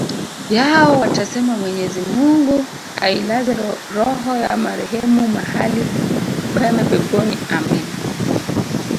yao watasema mwenyezi mungu ailaze roho ya marehemu mahali pema peponi amina